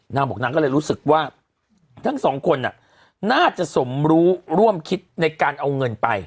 นางบอกนางก็เลยรู้สึกว่าทั้งสองคนน่าจะสมรู้ร่วมคิดในการเอาเงินไป